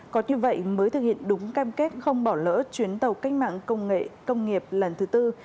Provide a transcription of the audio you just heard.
có như vậy mới thực hiện đúng cam kết không bỏ lỡ chuyến tàu cách mạng công nghệ công nghiệp lần thứ tư